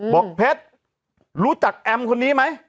บอกเพชรรู้จักแอมคนนี้ไหม